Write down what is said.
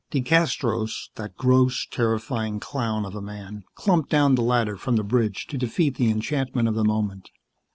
DeCastros, that gross, terrifying clown of a man, clumped down the ladder from the bridge to defeat the enchantment of the moment.